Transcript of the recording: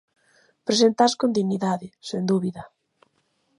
Preséntaas con dignidade, sen dúbida.